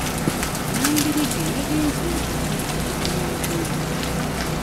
Nambirige yagenze mu katale okugula olugoye.